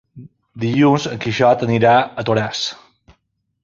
Dilluns en Quixot anirà a Toràs.